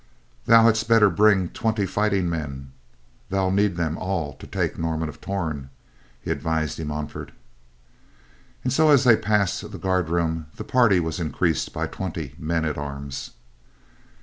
"Thou hadst better bring twenty fighting men—thou'lt need them all to take Norman of Torn," he advised De Montfort. And so as they passed the guard room, the party was increased by twenty men at arms.